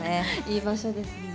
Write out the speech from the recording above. いい場所ですね。